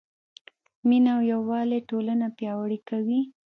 مینه او یووالی ټولنه پیاوړې کوي.